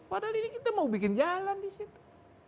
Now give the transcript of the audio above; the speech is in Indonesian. padahal ini kita mau bikin jalan di situ